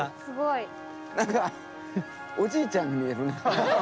何かおじいちゃんに見えるね。